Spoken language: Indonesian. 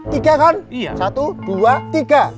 tiga kan satu dua tiga